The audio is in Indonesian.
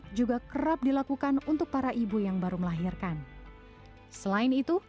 puskesmas menjadi ujung tombak perang